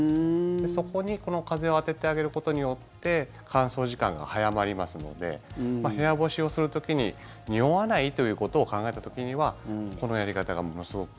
そこに、この風を当ててあげることによって乾燥時間が早まりますので部屋干しをする時ににおわないということを考えた時にはこのやり方がものすごく。